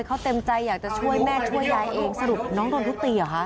เขาเต็มใจอยากจะช่วยแม่ช่วยยายเองสรุปน้องโดนทุบตีเหรอคะ